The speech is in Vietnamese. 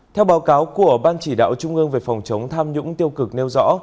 theo báo cáo của ban chỉ đạo trung ương về phòng chống tham nhũng tiêu cực nêu rõ